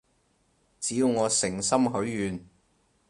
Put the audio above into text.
只要我誠心許願